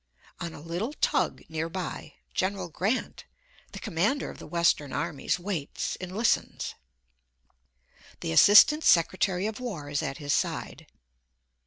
On a little tug, near by, General Grant, the commander of the Western armies, waits and listens. The Assistant Secretary of War is at his side.